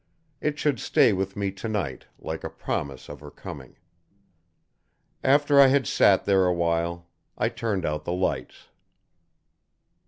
It should stay by me tonight, like a promise of her coming. After I had sat there a while, I turned out the lights.